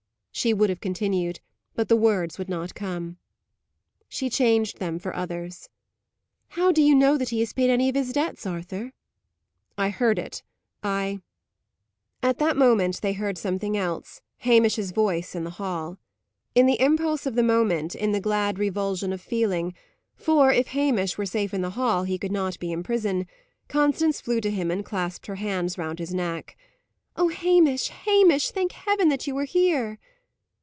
she would have continued, but the words would not come. She changed them for others. "How do you know that he has paid any of his debts, Arthur?" "I heard it. I " At that moment they heard something else Hamish's voice in the hall. In the impulse of the moment, in the glad revulsion of feeling for, if Hamish were safe in the hall, he could not be in prison Constance flew to him, and clasped her hands round his neck. "Oh, Hamish, Hamish! thank Heaven that you are here!"